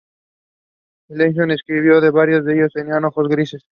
Lawson escribió que varios de ellos tenían ojos grises.